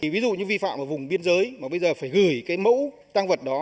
ví dụ như vi phạm ở vùng biên giới mà bây giờ phải gửi cái mẫu tăng vật đó